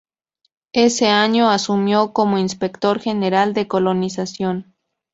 Ese año asumió como inspector general de Colonización.